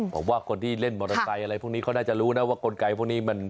ผมว่าคนที่เล่นมอเตอร์ไซค์อะไรพวกนี้เขาน่าจะรู้นะว่ากลไกพวกนี้มัน